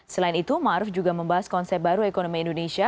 selain itu maruf juga membahas konsep baru ekonomi indonesia